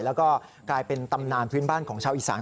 แล้วก็กลายเป็นตำนานพื้นบ้านของชาวอีสาน